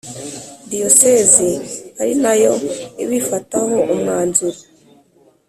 Diyosezi ari nayo ibifataho umwanzuro